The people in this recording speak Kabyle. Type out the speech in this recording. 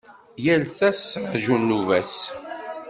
Yal ta tettraǧu nnuba-s.